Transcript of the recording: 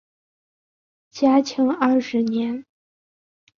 嘉庆二十年。